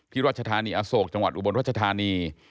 รัชธานีอโศกจังหวัดอุบลรัชธานี